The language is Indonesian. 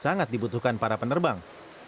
sangat dibutuhkan para penerbang